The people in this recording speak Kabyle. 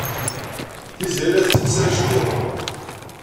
Tiziri la tfesser iceḍḍiḍen.